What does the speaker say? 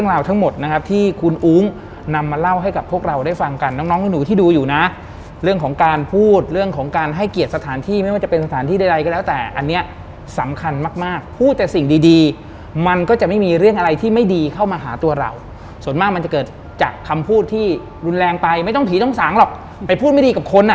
ทั้งหมดนะครับที่คุณอุ้งนำมาเล่าให้กับพวกเราได้ฟังกันน้องน้องหนูที่ดูอยู่นะเรื่องของการพูดเรื่องของการให้เกียรติสถานที่ไม่ว่าจะเป็นสถานที่ใดก็แล้วแต่อันเนี้ยสำคัญมากมากพูดแต่สิ่งดีดีมันก็จะไม่มีเรื่องอะไรที่ไม่ดีเข้ามาหาตัวเราส่วนมากมันจะเกิดจากคำพูดที่รุนแรงไปไม่ต้องผีต้องสางหรอกไปพูดไม่ดีกับคนอ่ะ